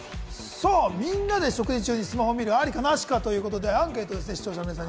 さあ、みんなで食事中にスマホを見る、ありかなしかということで、アンケートです。